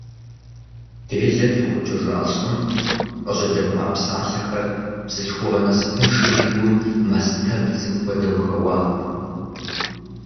Делэ техъукӏыжа лӏым къыжьэдэхуа псалъэхэр бзылъхугъэ насыпыншэм и гум, мастэпэбдзым хуэдэу, хэуат.